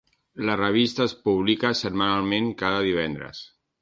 La revista es publica setmanalment cada divendres.